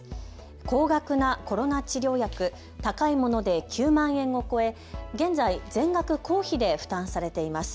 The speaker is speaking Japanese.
高額なコロナ治療薬、高いもので９万円を超え現在、全額公費で負担されています。